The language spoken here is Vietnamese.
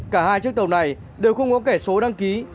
cả hai chiếc tàu này đều không có kẻ số đăng ký